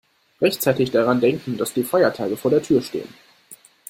Rechtzeitig daran denken, dass die Feiertage vor der Tür stehen.